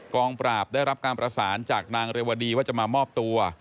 งปราบได้รับการประสานจากนางเรวดีว่าจะมามอบตัว